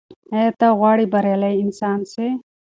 ایا ته غواړې بریالی انسان سې؟